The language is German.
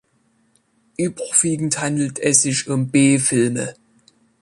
Überwiegend handelt es sich um B-Filme.